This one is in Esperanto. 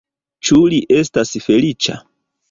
Ĉu li estas feliĉa?